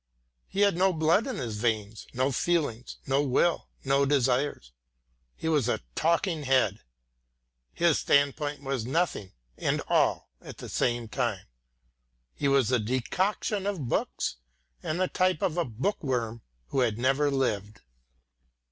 He had no blood in his veins, no feelings, no will, no desires. He was a talking head. His standpoint was nothing and all at the same time. He was a decoction of books, and the type of a book worm who had never lived.